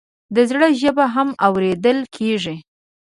د زړه ژبه هم اورېدل کېږي.